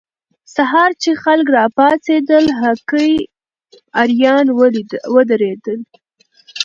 سهار چې خلک راپاڅېدل، هکي اریان ودرېدل.